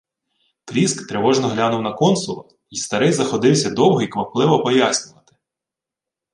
Пріск тривожно глянув на консула, й старий заходився довго й квапливо пояснювати: